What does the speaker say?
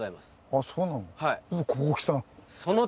ああそうなの？